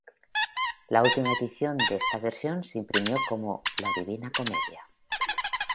La última edición de esta versión se imprimió como "La divina comedia.